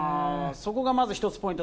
そこがまず一つポイント。